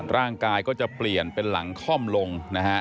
ร่างกายก็จะเปลี่ยนเป็นหลังค่อมลงนะฮะ